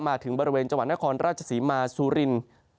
มาถึงบริเวณจังหวัดนครราชศรีมาซูรินทร์